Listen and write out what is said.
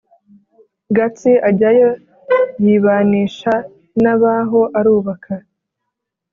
Gatsi ajyayo yibanisha n'abaho arubaka